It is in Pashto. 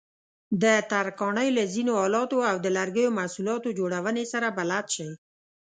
د ترکاڼۍ له ځینو آلاتو او د لرګیو محصولاتو جوړونې سره بلد شئ.